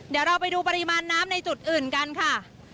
เดี๋ยวเราไปดูปริมาณน้ำในจุดอื่นกันค่ะ